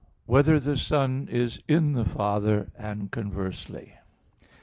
5] Whether the Son Is in the Father, and Conversely?